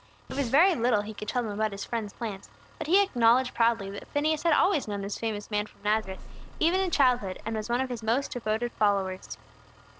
It was very little he could tell them about his friend's plans; but he acknowledged proudly that Phineas had always known this famous man from Nazareth, even in childhood, and was one of his most devoted followers.